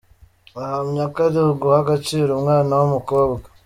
Ahamya ko ari uguha agaciro umwana w’umukobwa.